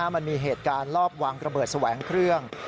มันมีเหตุการณ์รอบวางระเบิดแสวงเครื่อง